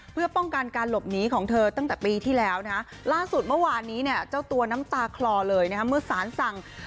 เพื่อป้องกันการหลบหนีของเธอตั้งแต่ปีที่แล้วนะฮะล่าสุดเมื่อวานนี้เนี่ยเจ้าตัวน้ำตาคลอเลยนะฮะเมื่อสารสั่ง